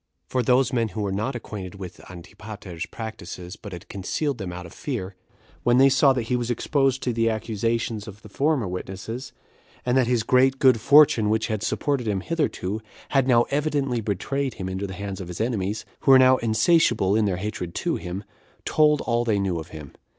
For those men who were not acquainted with Antipater's practices, but had concealed them out of fear, when they saw that he was exposed to the accusations of the former witnesses, and that his great good fortune, which had supported him hitherto, had now evidently betrayed him into the hands of his enemies, who were now insatiable in their hatred to him, told all they knew of him.